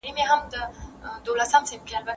ایا تاسو غواړئ چې ټولنه مو اباده وي؟